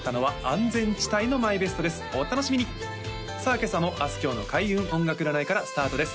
今朝もあすきょうの開運音楽占いからスタートです